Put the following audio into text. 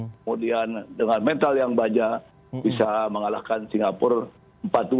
kemudian dengan mental yang baja bisa mengalahkan singapura empat dua